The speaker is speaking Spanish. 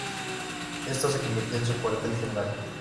Esta se convirtió en su cuartel general.